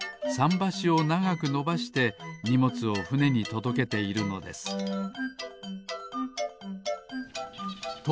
ばしをながくのばしてにもつをふねにとどけているのですと